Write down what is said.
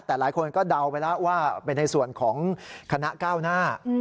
แต่หลายคนก็เดาไปแล้วว่าเป็นในส่วนของคณะก้าวหน้า